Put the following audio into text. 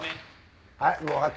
はい。